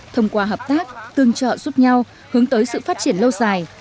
thông qua hợp tác tương trợ giúp nhau hướng tới sự phát triển lâu dài